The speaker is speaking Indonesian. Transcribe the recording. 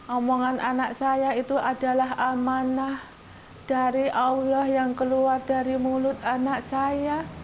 omongan anak saya itu adalah amanah dari allah yang keluar dari mulut anak saya